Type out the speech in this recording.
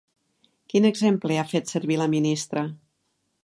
Quin exemple ha fet servir la ministra?